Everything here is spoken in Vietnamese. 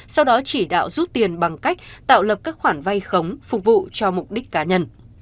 sau đó chỉ đạo rút tiền bằng cách tạo lập các khoản vay khống phục vụ cho mục đích cá nhân